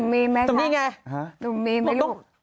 นุ่มมีไหมครับตรงนี้ไง